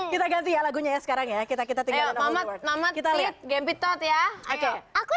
kita ganti lagunya sekarang ya kita kita tinggal mama kita lihat gempi tot ya aku